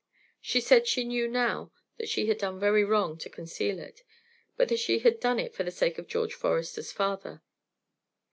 She said she knew now that she had done very wrong to conceal it, but that she had done it for the sake of George Forester's father.